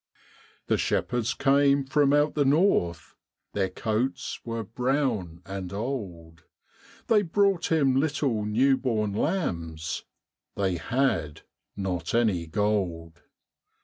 The shepherds came from out the north, Their coats were brown and old, They brought Him little new born lambs They had not any gold.